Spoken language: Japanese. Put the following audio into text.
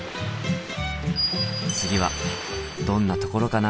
次はどんなところかな。